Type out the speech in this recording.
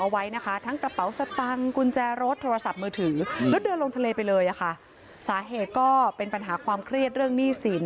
ว่าเขาจะเอายังไงต่อดีและคนที่เขาเข้าไปช่วยเขาเหมือนข้อ